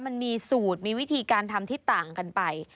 มันมีสูตรมีวิธีการทำที่ต่างกันไป